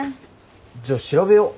じゃあ調べよう。